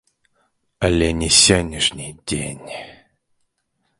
Але не сённяшні дзень.